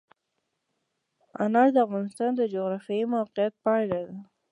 انار د افغانستان د جغرافیایي موقیعت پایله ده.